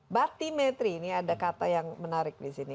bathymetry ini ada kata yang menarik disini